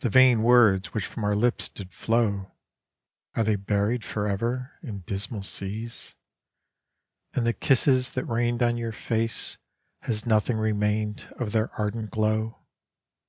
The vain words which from our lips did flow Are they buried forever in dismal seas? And the kisses that rained on your face >!aB nothing remained of their ardent glow?